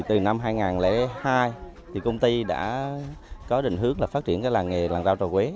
từ năm hai nghìn hai công ty đã có định hướng phát triển làng nghề làng rau trà quế